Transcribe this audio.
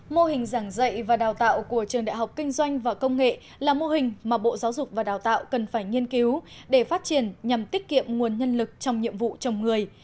mô hình giảng dạy và đào tạo của trường đại học kinh doanh và công nghệ là mô hình mà bộ giáo dục và đào tạo cần phải nghiên cứu để phát triển nhằm tiết kiệm nguồn nhân lực trong nhiệm vụ chồng người